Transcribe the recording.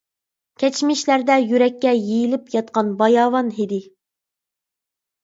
كەچمىشلەردە يۈرەككە يېيىلىپ ياتقان باياۋان ھىدى.